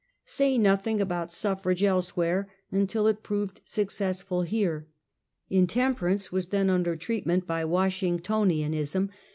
Say nothing about suffrage elsewhere until it proved successful here. Intemperance was then under treatment by Wash ingtonianism.